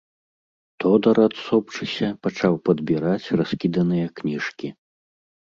Тодар, адсопшыся, пачаў падбіраць раскіданыя кніжкі.